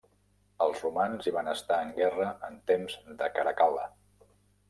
Els romans hi van estar en guerra en temps de Caracal·la.